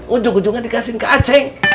ujung ujungnya dikasih ke aceh